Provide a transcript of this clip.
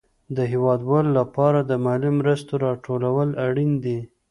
د هېوادوالو لپاره د مالي مرستو راټول اړين دي.